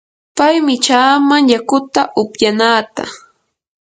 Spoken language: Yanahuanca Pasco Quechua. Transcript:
pay michaaman yakuta upyanaata.